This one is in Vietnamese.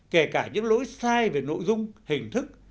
kể cả những lỗi sai về nội dung hình thức